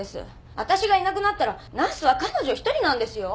わたしがいなくなったらナースは彼女一人なんですよ。